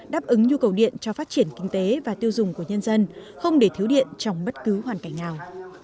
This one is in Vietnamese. đáp ứng nhu cầu điện cho phát triển kinh tế và tiêu dùng của nhân dân không để thiếu điện trong bất cứ hoàn cảnh nào